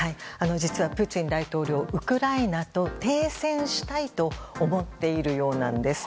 実はプーチン大統領ウクライナと停戦したいと思っているようなんです。